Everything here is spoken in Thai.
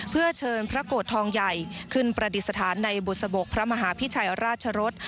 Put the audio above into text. เพื่อเชิญพระโกรธทองใหญ่ขึ้นประดิษฐานในบุษบกพระมหาพิชัยราชรส